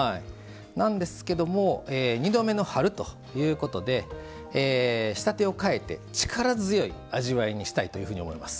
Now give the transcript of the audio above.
なんですけども「２度目の春」ということで仕立てを変えて力強い味わいにしたいというふうに思います。